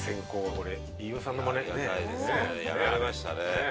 やられましたね。